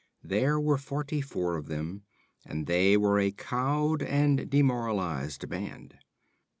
There were forty four of them, and they were a cowed and demoralized band.